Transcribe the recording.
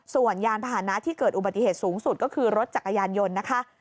ส่วนยานพาหนะที่เกิดอุบัติเหตุสูงสุดก็คือรถจักรยานยนต์นะคะ